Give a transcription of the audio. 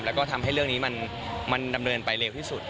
แล้วก็ทำให้เรื่องนี้มันดำเนินไปเร็วที่สุด